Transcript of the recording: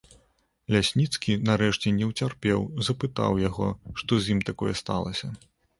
Лясніцкі, нарэшце, не ўцерпеў, запытаў яго, што з ім такое сталася.